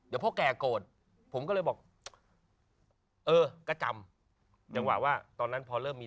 เดี๋ยวพ่อแก่โกรธผมก็เลยบอกเออก็จำจังหวะว่าตอนนั้นพอเริ่มมี